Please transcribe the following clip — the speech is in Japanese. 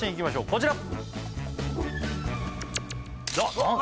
こちら